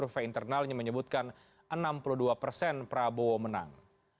menyebutkan enam puluh dua persen prabowo menang